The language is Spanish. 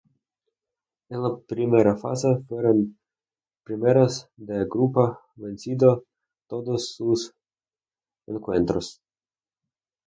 En la primera fase fueron primeras de grupo venciendo todos sus encuentros.